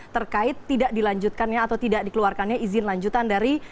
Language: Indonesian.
terkait tidak dilanjutkannya atau tidak dikeluarkannya izin lanjutan dari